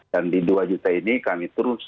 dan di dua juta ini kami terus